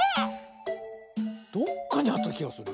どっかにあったきがする。